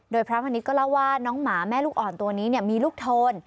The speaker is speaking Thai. โดยพระมณิษฐ์ก็เล่าว่าน้องหมาแม่ลูกอ่อนตัวนี้มีลูกโทน